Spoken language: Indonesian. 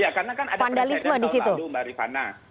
iya karena kan ada persetan tahun lalu mbak rifana